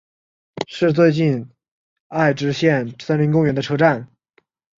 是最接近爱知县森林公园的车站。